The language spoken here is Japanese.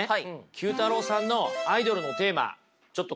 ９太郎さんのアイドルのテーマちょっと